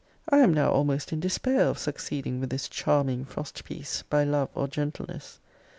I am now almost in despair of succeeding with this charming frost piece by love or gentleness.